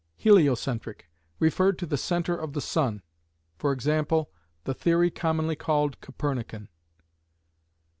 Heliocentric: Referred to the centre of the sun; e.g. the theory commonly called Copernican.